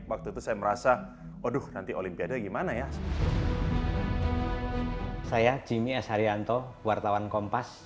waktu itu saya merasa aduh nanti olimpiade gimana ya saya jimmy s haryanto wartawan kompas